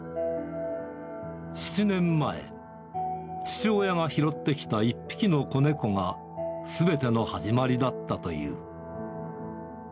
７年前、父親が拾ってきた１匹の子猫がすべての始まりだったという。